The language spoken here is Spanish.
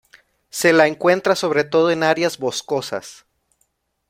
Se la encuentra sobre todo en áreas boscosas.